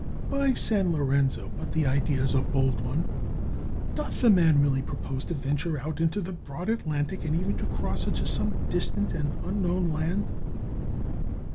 "By San Lorenzo! but the idea is a bold one! Doth the man really propose to venture out into the broad Atlantic, and even to cross it to some distant and un known land?"